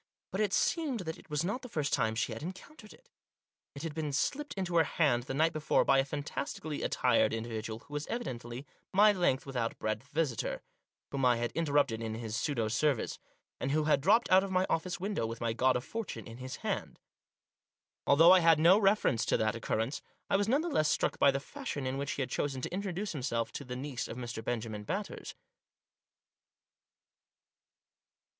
But it seemed that it was not the first time she had en countered it. It had been slipped into her hand the night before by a fantastically attired individual who was evidently Digitized by MY CLIENT— A^TD HER FRIEND. 185 my length without breadth visitor, whom I had in terrupted in his pseudo service, and who had dropped out of my office window with my God of Fortune in his hand. Although I made no reference to that occur rence, I was none the less struck by the fashion in which he had chosen to introduce himself to the niece of Mr. Benjamin Batters.